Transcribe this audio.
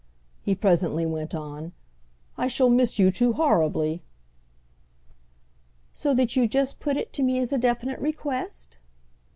he presently went on. "I shall miss you too horribly!" "So that you just put it to me as a definite request?"